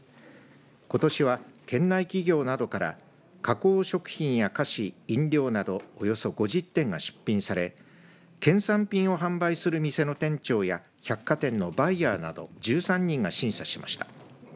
ことしは、県内企業などから加工食品や菓子、飲料などおよそ５０点が出品され県産品を販売する店の店長や百貨店のバイヤーなど１３人が審査しました。